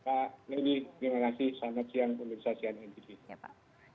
terima kasih pak nedi terima kasih selamat siang universitas siaran indonesia